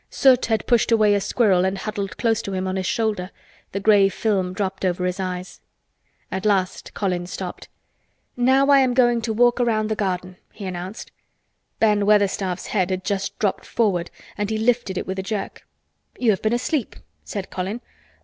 Soot had pushed away a squirrel and huddled close to him on his shoulder, the gray film dropped over his eyes. At last Colin stopped. "Now I am going to walk round the garden," he announced. Ben Weatherstaff's head had just dropped forward and he lifted it with a jerk. "You have been asleep," said Colin.